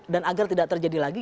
dan agar tidak terjadi lagi